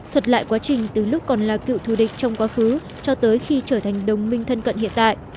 thuật lại quá trình từ lúc còn là cựu thù địch trong quá khứ cho tới khi trở thành đồng minh thân cận hiện tại